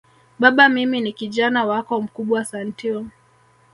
Baba mimi ni Kijana wako mkubwa Santeu